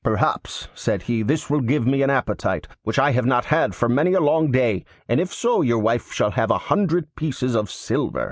'Perhaps,' said he, 'this will give me an appetite, which I have not had for many a long day, and if so your wife shall have a hundred pieces of silver.